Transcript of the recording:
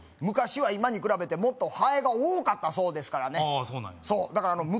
昔は今に比べてもっとハエが多かったそうですからねああ